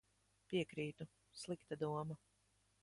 Piekrītu. Slikta doma.